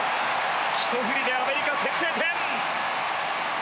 ひと振りでアメリカ先制点。